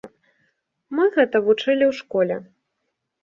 Мы гэта вучылі ў школе.